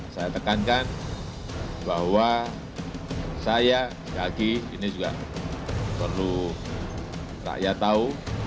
saya tekankan bahwa saya gagi ini juga perlu rakyat tahu